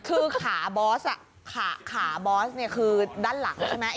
คือขาบอสขาบอสเนี่ยคือด้านหลังใช่ไหม